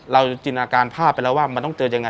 จินอาการภาพไปแล้วว่ามันต้องเจอยังไง